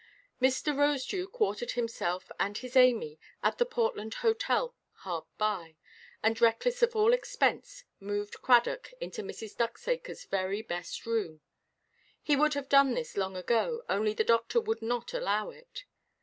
Mr. Rosedew quartered himself and his Amy at the Portland Hotel hard by, and reckless of all expense moved Cradock into Mrs. Ducksacreʼs very best room. He would have done this long ago, only the doctor would not allow it.